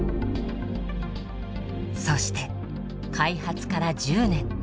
そして開発から１０年。